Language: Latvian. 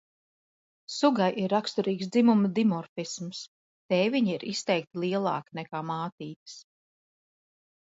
Sugai ir raksturīgs dzimumu dimorfisms – tēviņi ir izteikti lielāki nekā mātītes.